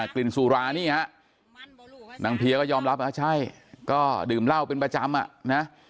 กลิ่นสุรานี่ฮะนางเพียก็ยอมรับว่าใช่ก็ดื่มเหล้าเป็นประจำอ่ะนะ